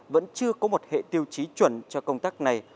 vẫn chưa có một hệ tiêu chí chuẩn cho công tác này